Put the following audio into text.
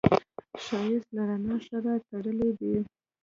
ښایست له رڼا سره تړلی دی